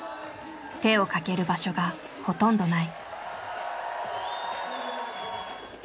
手をかける場所がほとんどない。